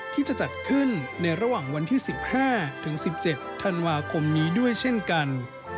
ที่จะจัดขึ้นในระหว่างวันที่๑๕ถึง๑๗ธันวาคมนี้ด้วยเช่นกัน